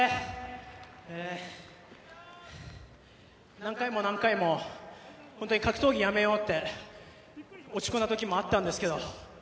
何回も何回も本当に格闘技やめようって落ち込んだ時もあったんですけど